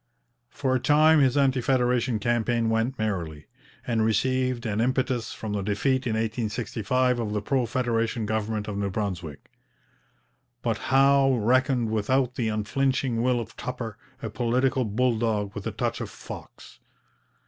For a time his anti federation campaign went merrily, and received an impetus from the defeat in 1865 of the pro federation government of New Brunswick. But Howe reckoned without the unflinching will of Tupper, a political bull dog with a touch of fox.